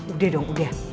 udah dong udah